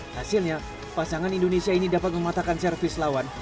hasilnya pasangan indonesia ini dapat mematakan servis lawan